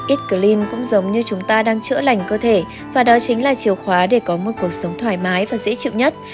eat clean cũng giống như chúng ta đang chữa lành cơ thể và đó chính là chiều khóa để có một cuộc sống thoải mái và dễ chịu nhất